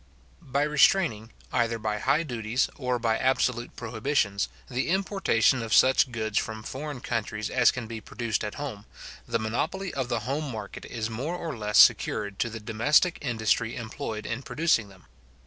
By restraining, either by high duties, or by absolute prohibitions, the importation of such goods from foreign countries as can be produced at home, the monopoly of the home market is more or less secured to the domestic industry employed in producing them.